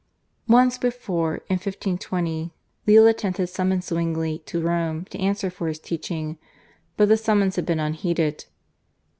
Once before, in 1520, Leo X. had summoned Zwingli to Rome to answer for his teaching, but the summons had been unheeded.